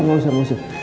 enggak usah gak usah